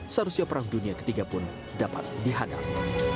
seharusnya perang dunia ketiga pun dapat dihadang